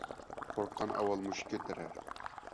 قورققان ئاۋۋال مۇشت كۆتۈرەر.